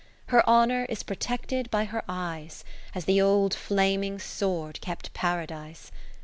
Her Honour is protected by her eyes, As the old Flaming Sword kept Paradise.